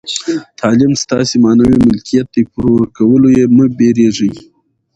تعلیم ستاسي معنوي ملکیت دئ، پر ورکولو ئې مه بېرېږئ!